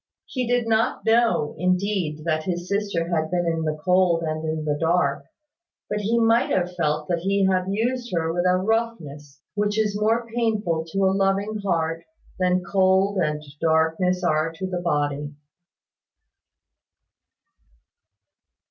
He did not know indeed that his sister had been in the cold and in the dark; but he might have felt that he had used her with a roughness which is more painful to a loving heart than cold and darkness are to the body.